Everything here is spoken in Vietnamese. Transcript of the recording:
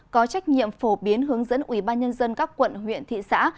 có trách nhiệm phổ biến hướng dẫn ủy ban nhân dân các quận huyện thị xã